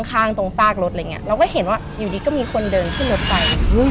ข้างตรงซากรถอะไรอย่างนี้เราก็เห็นว่าอยู่ดีก็มีคนเดินขึ้นรถไป